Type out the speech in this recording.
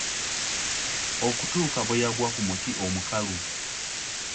Okutuuka bwe yagwa ku muti omukalu.